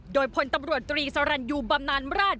โดยพลตำรวจตรีสรรยูบำนานราช